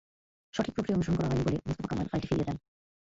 সঠিক প্রক্রিয়া অনুসরণ করা হয়নি বলে মুস্তফা কামাল ফাইলটি ফিরিয়ে দেন।